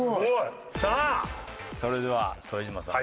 さあそれでは副島さん